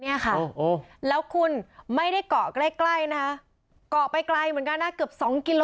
เนี่ยค่ะแล้วคุณไม่ได้เกาะใกล้ใกล้นะคะเกาะไปไกลเหมือนกันนะเกือบสองกิโล